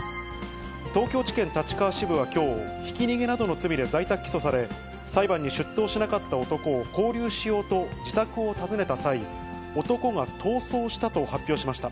東京地検立川支部はきょう、ひき逃げなどの罪で在宅起訴され、裁判に出頭しなかった男を勾留しようと自宅を訪ねた際、男が逃走したと発表しました。